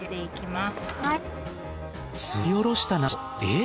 すりおろした梨をえっ？